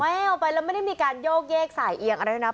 ไม่ให้ออกไปแล้วไม่ได้มีการโยกเยกสายเอียงอะไรแน่